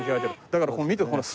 だから見てこれ。